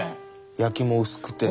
焼きも薄くて。